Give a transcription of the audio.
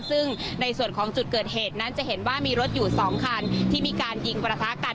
ซึ่งในส่วนของจุดเกิดเหตุนั้นจะเห็นว่ามีรถอยู่๒คันที่มีการยิงประทะกัน